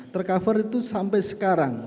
tercover itu sampai sekarang